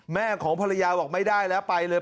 แม่ของภรรยาบอกไม่ได้แล้วไปเลย